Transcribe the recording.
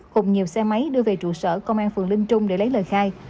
hùng nhiều xe máy đưa về trụ sở công an phường linh trung để lấy lời khai